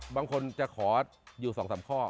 บางคนจะขออยู่สองสามข้อ